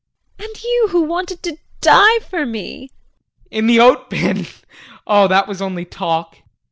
JULIE. And you who wanted to die for me. JEAN. In the oat bin? Oh, that was only talk.